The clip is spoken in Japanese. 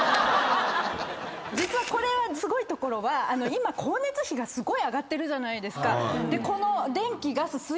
これすごいところは今光熱費がすごい上がってるじゃないですか。